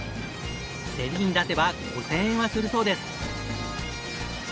セリに出せば５０００円はするそうです。